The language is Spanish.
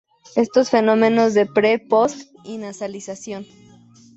Estos fenómenos de pre, post y nasalización.